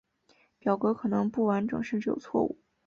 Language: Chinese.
表格可能不完整甚至有错误。